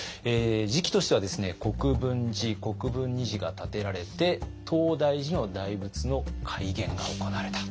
時期としては国分寺・国分尼寺が建てられて東大寺の大仏の開眼が行われた。